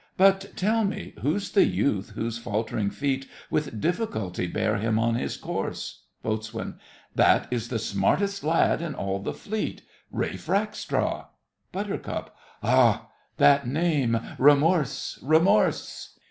But, tell me—who's the youth whose faltering feet With difficulty bear him on his course? BOAT. That is the smartest lad in all the fleet— Ralph Rackstraw! BUT. Ha! That name! Remorse! remorse!